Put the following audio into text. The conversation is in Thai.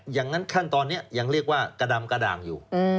ขั้นตอนนี้ยังเรียกว่ากระดำกระด่างอยู่